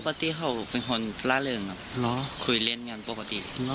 ปกติเขาเป็นคนละเริ่มคุยเล่นกันปกติ